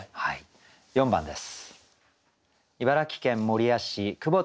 ４番です。